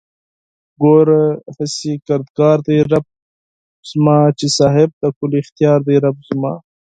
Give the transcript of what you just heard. گوره هسې کردگار دئ رب زما چې صاحب د کُل اختيار دئ رب زما